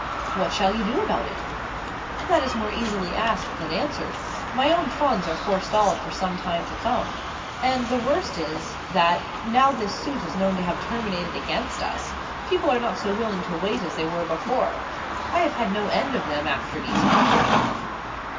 "What shall you do about it?" "That is more easily asked than answered. My own funds are forestalled for some time to come. And, the worst is, that, now this suit is known to have terminated against us, people are not so willing to wait as they were before. I have had no end of them after me to day."